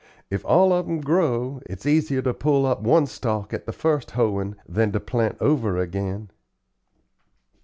If all of 'em grow, it's easier to pull up one stalk at the first hoeing than to plant over again."